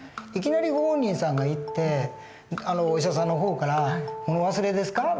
いきなりご本人さんが行ってお医者さんの方から「物忘れですか？」